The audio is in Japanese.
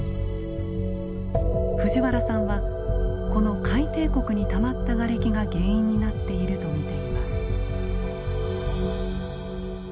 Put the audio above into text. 藤原さんはこの海底谷にたまったガレキが原因になっていると見ています。